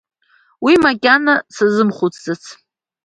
Уи макьана сазымхәыцӡац…